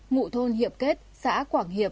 ngụ thôn hiệp kết xã quảng hiệp